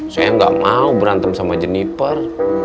saya gak mau berantem sama jeniper